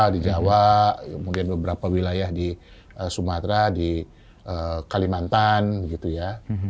di jawa mungkin beberapa wilayah di sumatera di kalimantan gitu ya